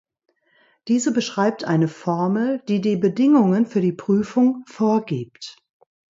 Diese beschreibt eine Formel, die die Bedingungen für die Prüfung vorgibt.